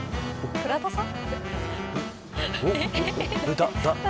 倉田さん。